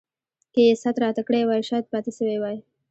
که يې ست راته کړی وای شايد پاته سوی وای.